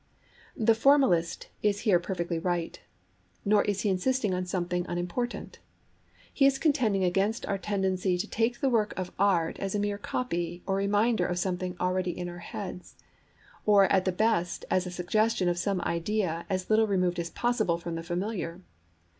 The 'formalist' is here perfectly right. Nor is he insisting on something unimportant. He is contending against our tendency to take the work of art as a mere copy or reminder of something already in our heads, or at the best as a suggestion of some idea as little removed as possible from the familiar.